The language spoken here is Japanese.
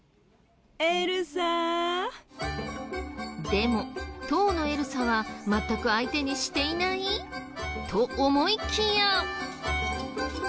でも当のエルサは全く相手にしていない？と思いきや！